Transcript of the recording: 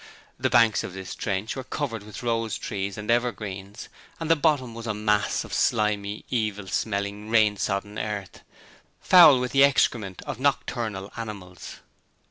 The banks of this trench were covered with rose trees and evergreens, and the bottom was a mass of slimy, evil smelling, rain sodden earth, foul with the excrement of nocturnal animals.